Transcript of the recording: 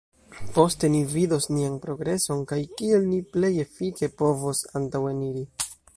Poste ni vidos nian progreson kaj kiel ni plej efike povos antaŭeniri.